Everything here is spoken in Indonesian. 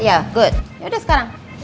ya good yaudah sekarang